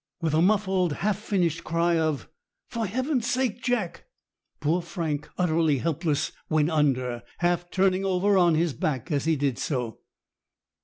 With a muffled, half finished cry of "For heaven's sake, Jack!" poor Frank, utterly helpless, went under, half turning over on his back as he did so.